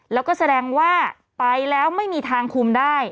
แล้วก็แสดงว่าไปแล้วไม่มีทางคุมได้